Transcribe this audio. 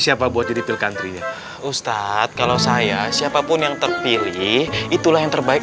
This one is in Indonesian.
siapa buat jadi pilkantri ustadz kalau saya siapapun yang terpilih itulah yang terbaik